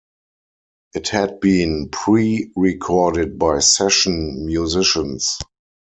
It had been pre-recorded by session musicians.